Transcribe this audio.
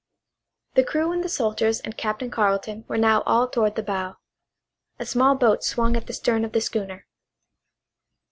The crew and the soldiers and Captain Carleton were now all toward the bow. A small boat swung at the stern of the schooner.